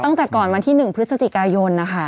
ตั้งแต่ก่อนวันที่๑พฤศจิกายนนะคะ